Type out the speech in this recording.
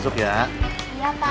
saya patut yang itu